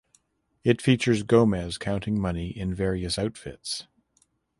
It features Gomez counting money in various outfits.